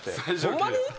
ホンマに？